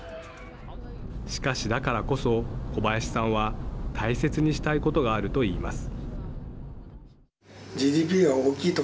しかし、だからこそ古林さんは大切にしたいことがあると言います。